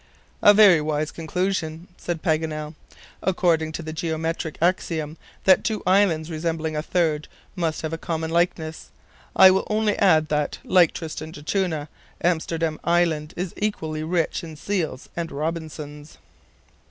"A very wise conclusion," said Paganel, "according to the geometrographic axiom that two islands resembling a third must have a common likeness. I will only add that, like Tristan d'Acunha, Amsterdam Island is equally rich in seals and Robinsons."